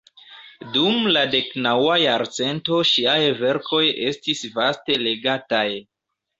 Dum la deknaŭa jarcento ŝiaj verkoj estis vaste legataj.